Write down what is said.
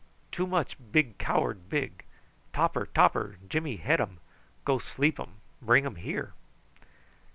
Too much big coward big. Topper, topper, Jimmy head um. Go sleep um. Bring um here."